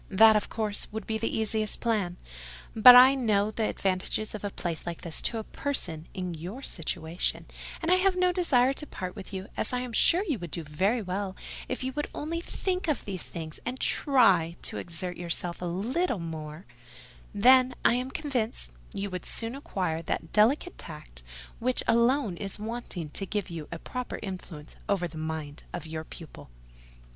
That, of course, would be the easiest plan: but I know the advantages of a place like this to a person in your situation; and I have no desire to part with you, as I am sure you would do very well if you will only think of these things and try to exert yourself a little more: then, I am convinced, you would soon acquire that delicate tact which alone is wanting to give you a proper influence over the mind of your pupil."